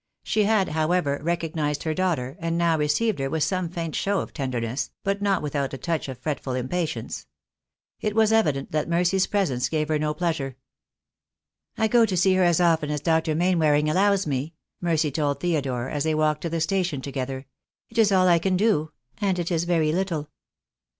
She had, however, recognised her daughter, and now received her with some faint show of tenderness, but not without a touch of fretful impatience. It was evident that Mercy's presence gave her no pleasure. "I go to see her as often as Dr. Mainwaring allows me," Mercy told Theodore, as they walked to the station together. "It is all I can do — and it is very little.